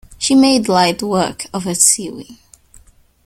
She made light work of her sewing.